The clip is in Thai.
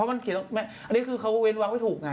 อันนี้คือเขาเว้นวักไม่ถูกไง